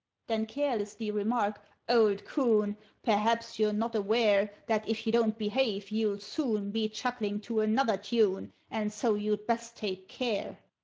"Then carelessly remark 'Old coon! Perhaps you're not aware That, if you don't behave, you'll soon Be chuckling to another tune And so you'd best take care!'